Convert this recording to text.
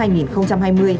thành phố hà nội